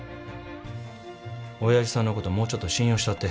おやじさんのこともうちょっと信用したって。